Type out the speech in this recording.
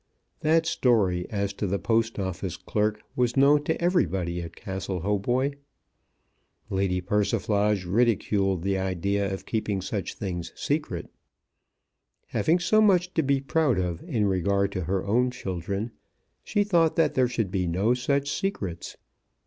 That story as to the Post Office clerk was known to everybody at Castle Hautboy. Lady Persiflage ridiculed the idea of keeping such things secret. Having so much to be proud of in regard to her own children, she thought that there should be no such secrets.